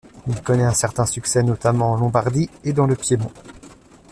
Il connaît un certain succès notamment en Lombardie et dans le Piémont.